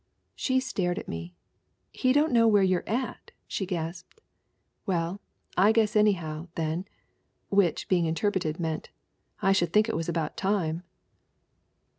She stared at me. 'He don't know where you're at ?' she gasped. 'Well, I guess anyhow, then!' Which, being interpreted, meant: 'I should think it was about time